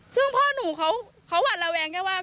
ซึ่งพ่อหนูเขาหวัดระแวงแค่ว่า